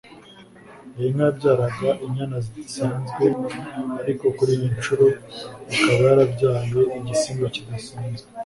iyi nka yabyaraga inyana zisanzwe ariko kuri iyi nshuro ikaba yarabyaye igisimba kidasanzwe